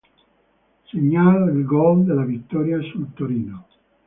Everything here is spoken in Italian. Segna il gol della vittoria sul Torino.